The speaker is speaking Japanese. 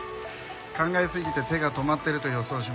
考えすぎて手が止まってると予想しますが。